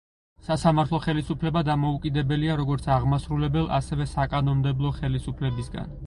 სასამართლო ხელისუფლება დამოუკიდებელია როგორც აღმასრულებელ ასევე საკანონმდებლო ხელისუფლებისგან.